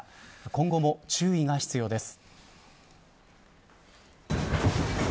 今後も注意が必要です。